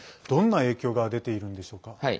どんな影響が出ているんでしょうか？